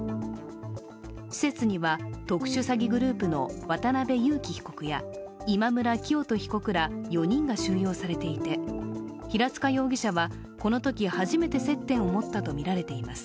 施設には特殊詐欺グループの渡辺優樹被告や今村磨人被告ら４人が収容されていて平塚容疑者はこのとき初めて接点を持ったとみられています。